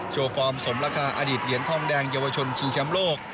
โชว์ฟอร์มสมราคาอดิษฐ์เหลียนทองแดงเยาวชนชีชำโลก